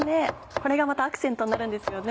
これがまたアクセントになるんですよね。